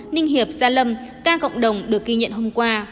ninh hiệp gia lâm ca cộng đồng được ghi nhận hôm qua